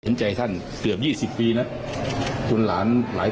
มีกรอบกันบ้าง